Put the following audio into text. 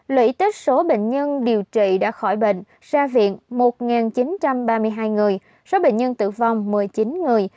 lũy tết số bệnh nhân điều trị đã khỏi bệnh ra viện một chín trăm ba mươi hai người số bệnh nhân tử vong một mươi chín người